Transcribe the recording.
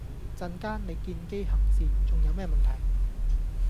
陣間你見機行事，重有咩問題？